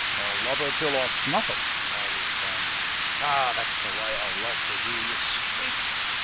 "I'll love 'er till I snuflE it," I responds. "Ah, that's the way I likes to 'ear yeh speak.